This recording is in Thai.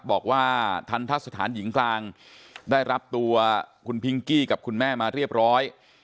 บอกว่าทันทะสถานหญิงกลางได้รับตัวคุณพิงกี้กับคุณแม่มาเรียบร้อย